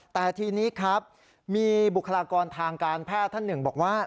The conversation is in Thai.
แต่ทีนี้ครับมีบุคลากรทางการแพทย์ท่านหนึ่งบอกว่า